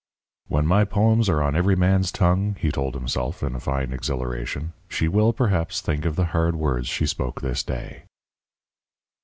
"When my poems are on every man's tongue," he told himself, in a fine exhilaration, "she will, perhaps, think of the hard words she spoke this day."